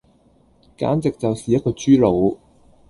簡直就是一個豬腦